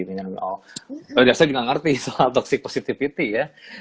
biasanya juga nggak ngerti soal toxic positivity ya